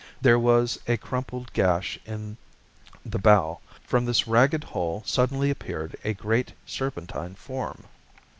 There was a crumpled gash in the bow. From this ragged hole suddenly appeared a great, serpentine form....